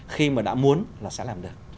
khi mà đã muốn là sẽ làm được